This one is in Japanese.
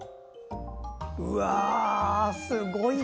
うわあ、すごいね！